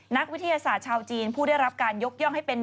นักวิทยาศาสตร์ชาวจีนผู้ได้รับการยกย่องให้เป็น